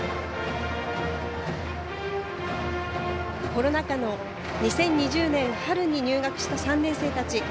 コロナ禍の２０２０年春に入学した３年生たち。